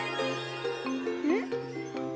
うん？